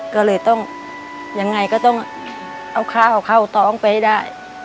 ก็เลยต้องยังไงก็ต้องเอาข้าวเข้าท้องไปให้ได้